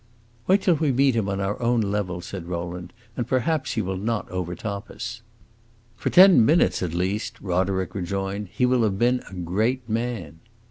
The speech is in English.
"Wait till we meet him on our own level," said Rowland, "and perhaps he will not overtop us." "For ten minutes, at least," Roderick rejoined, "he will have been a great man!"